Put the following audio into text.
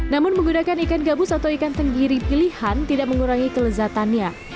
namun menggunakan ikan gabus atau ikan tenggiri pilihan tidak mengurangi kelezatannya